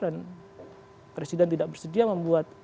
dan presiden tidak bersedia membuat